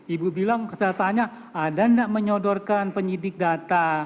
ibu bilang saya tanya ada nggak menyodorkan penyidik data